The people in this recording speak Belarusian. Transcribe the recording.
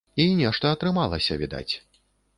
І нешта атрымалася, відаць.